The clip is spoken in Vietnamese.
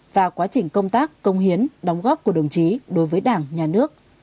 và quá trình công tác công hiến đóng góp của đồng chí đối với đảng nhà nước